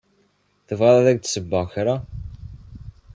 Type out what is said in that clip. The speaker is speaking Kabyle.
Tebɣiḍ ad ak-d-ssewweɣ kra?